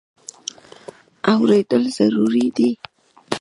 اورېدل ضروري دی.